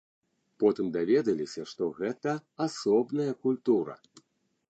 Потым даведаліся, што гэта асобная культура.